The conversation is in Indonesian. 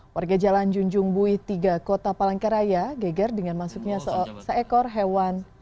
warga jalan junjung bui tiga kota palangkaraya geger dengan masuknya seekor hewan